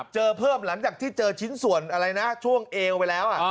เจอเพิ่มหลังจากที่เจอชิ้นส่วนอะไรนะช่วงเอวไปแล้ว